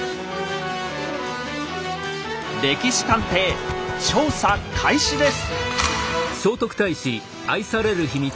「歴史探偵」調査開始です。